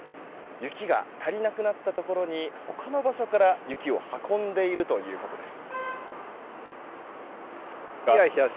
雪が足りなくなったところに他の場所から雪を運んでいるということです。